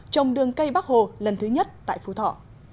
trồng đường cây bắc hồ lần thứ nhất tại phú thọ